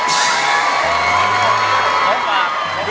ขอบคุณครับ